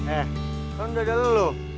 eh kan udah udahlah lu